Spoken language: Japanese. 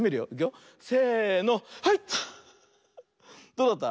どうだった？